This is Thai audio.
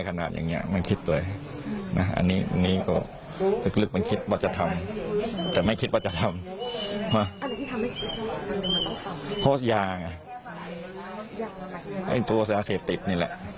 โฆษยาไงไอ้ตัวแสดงเสียติดนี่แหละ